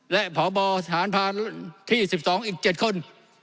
และผอสทานภาคที่๑๒อีก๗คน